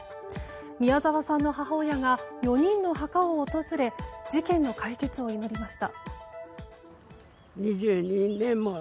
宮沢さんの母親が４人の墓を訪れ事件の解決を祈りました。